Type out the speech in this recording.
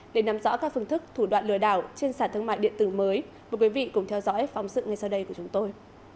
để nắm rõ các phương thức thủ đoạn lừa đảo trên sản thương mại điện tử mới mời quý vị cùng theo dõi phóng sự ngay sau đây của chúng tôi